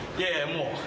もう。